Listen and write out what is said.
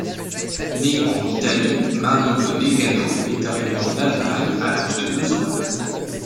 Né en Italie, Marino Degano est arrivé en Allemagne à l'âge de deux ans.